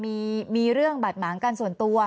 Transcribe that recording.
ทีนี้วันอาทิตย์หยุดแล้วก็วันจันทร์ก็หยุด